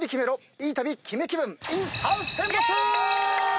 いい旅・キメ気分ｉｎハウステンボス！